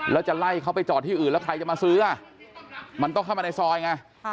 แล้วจะไล่เขาไปจอดที่อื่นแล้วใครจะมาซื้อมันต้องเข้ามาในซอยไง